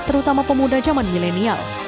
terutama pemuda zaman milenial